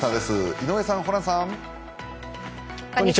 井上さん、ホランさん。